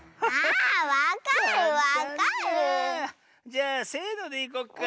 じゃあせのでいこっか。